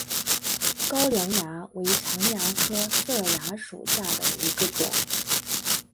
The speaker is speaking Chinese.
高梁蚜为常蚜科色蚜属下的一个种。